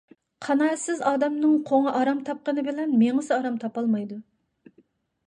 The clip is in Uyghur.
قانائەتسىز ئادەمنىڭ قوڭى ئارام تاپقىنى بىلەن مېڭىسى ئارام تاپالمايدۇ.